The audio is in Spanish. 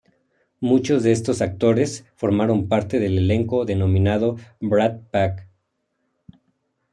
Muchos de estos actores formaron parte del elenco denominado Brat Pack.